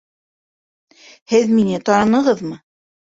Һеҙ мине... танынығыҙмы?